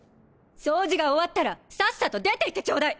掃除が終わったらさっさと出ていってちょうだい！